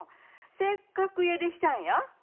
せっかく家出したんや。